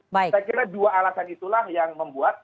saya kira dua alasan itulah yang membuat